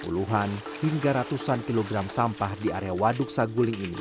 puluhan hingga ratusan kilogram sampah di area waduk saguling ini